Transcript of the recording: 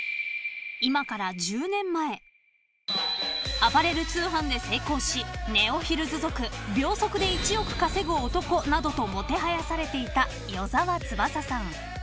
［アパレル通販で成功しネオヒルズ族秒速で１億稼ぐ男などともてはやされていた与沢翼さん］